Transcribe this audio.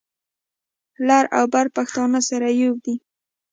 لر او بر پښتانه سره یو دي.